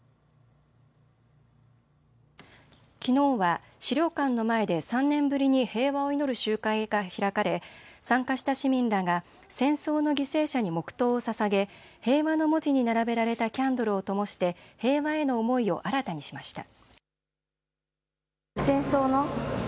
きのうは資料館の前で３年ぶりに平和を祈る集会が開かれ参加した市民らが戦争の犠牲者に黙とうをささげ、平和の文字に並べられたキャンドルをともして平和への思いを新たにしました。